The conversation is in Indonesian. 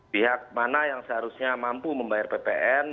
pihak mana yang seharusnya mampu membayar ppn